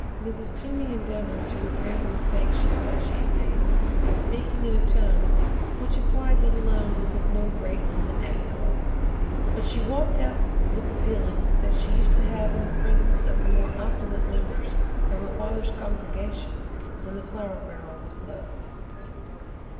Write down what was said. Mrs. Toomey endeavored to repair the mistake she felt she had made by speaking in a tone which implied that a loan was of no great moment after all, but she walked out with the feeling that she used to have in the presence of the more opulent members of her father's congregation when the flour barrel was low.